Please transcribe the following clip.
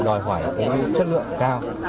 đòi hỏi chất lượng cao